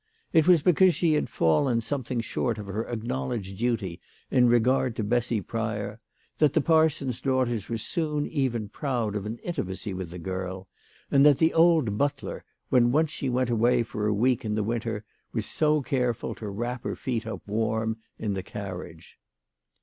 It was because she had fallen something short of her acknowledged duty in regard to Bessy Pryor that the parson's daughters were soon even proud of an intimacy with the girl, and that the old butler, when she once went away for a week in the winter, was so careful to wrap her feet up warm in the carriage.